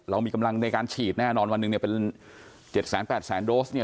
เรามีกำลังในการฉีดแน่นอนวันหนึ่งเนี้ยเป็นเจ็ดแสนแปดแสนโดสเนี้ย